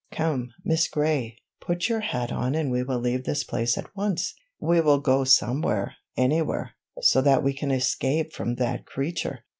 "Come, Miss Gray, put your hat on and we will leave this place at once! We will go somewhere, anywhere, so that we escape from that creature!"